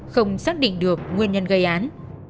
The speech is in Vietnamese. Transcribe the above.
không xác định được nguyên nhân gây án